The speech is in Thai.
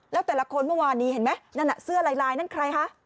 แล้วแต่ละคนเมื่อวานนี้เห็นไหมนั่นน่ะเสื้อลายนั่นใครคะ